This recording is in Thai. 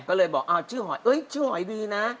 ก็เลยบอกชื่อหอยเอ้ยชื่อหอยดีนะ